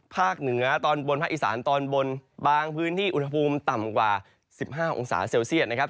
เหนือตอนบนภาคอีสานตอนบนบางพื้นที่อุณหภูมิต่ำกว่า๑๕องศาเซลเซียตนะครับ